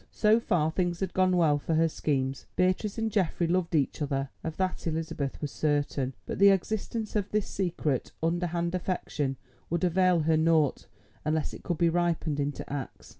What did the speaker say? So far things had gone well for her schemes. Beatrice and Geoffrey loved each other, of that Elizabeth was certain. But the existence of this secret, underhand affection would avail her naught unless it could be ripened into acts.